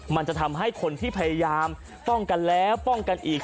มันจะทำให้คนที่พยายามป้องกันแล้วป้องกันอีก